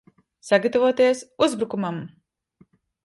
Sagatavoties uzbrukumam!